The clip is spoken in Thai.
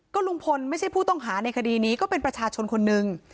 ลุงพลไม่ใช่ผู้ต้องหาในคดีนี้ก็เป็นประชาชนคนหนึ่ง